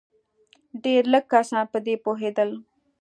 ډېر لږ کسان په دې پوهېدل.